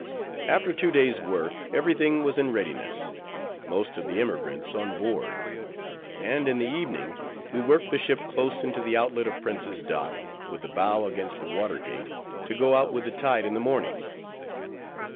After two days' work, every thing was in readiness; most of the emigrants on board; and in the evening we worked the ship close into the outlet of Prince's Dock, with the bow against the water gate, to go out with the tide in the morning.